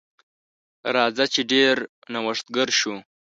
راځه چې ډیر نوښتګر شو.